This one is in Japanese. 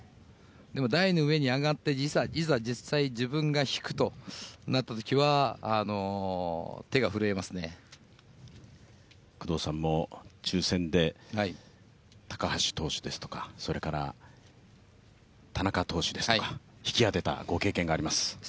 でも、台の上に上がっていざ、実際自分が引くとなったときは工藤さんも抽選で高橋投手ですとか、それから田中投手ですとか引き当てたご経験があります。